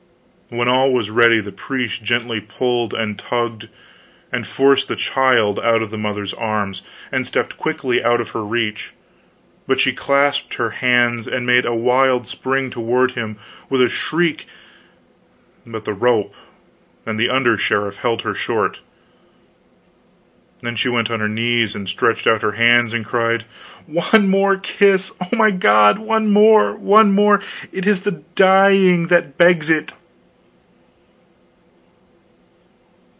When all was ready the priest gently pulled and tugged and forced the child out of the mother's arms, and stepped quickly out of her reach; but she clasped her hands, and made a wild spring toward him, with a shriek; but the rope and the under sheriff held her short. Then she went on her knees and stretched out her hands and cried: "One more kiss oh, my God, one more, one more, it is the dying that begs it!"